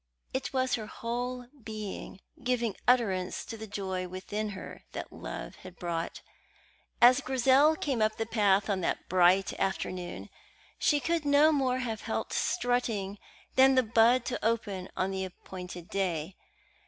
It was her whole being giving utterance to the joy within her that love had brought. As Grizel came up the path on that bright afternoon, she could no more have helped strutting than the bud to open on the appointed day.